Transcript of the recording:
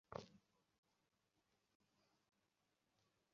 বললেই হত সঙ্গে যাবে?